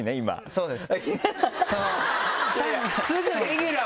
そうです。